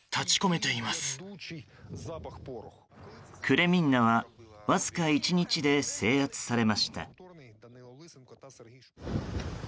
クレミンナはわずか１日で制圧されました。